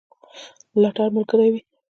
ملاتړ ملګری وي.